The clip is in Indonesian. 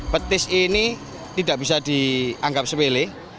petis ini tidak bisa dianggap sepele